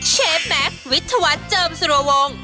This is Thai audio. เชฟแม็กซ์วิทยาวัฒน์เจิมสุรวงศ์